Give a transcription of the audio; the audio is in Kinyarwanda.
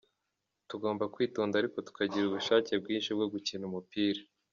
Tugomba kwitonda ariko tukagira ubushake bwinshi bwo gukina umupira.